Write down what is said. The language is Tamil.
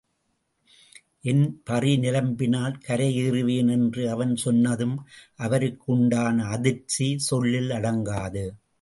என் பறி நிரம்பினால் கரையேறுவேன் என்று அவன் சொன்னதும் அவருக்கு உண்டான அதிர்ச்சி சொல்லில் அடங்காது.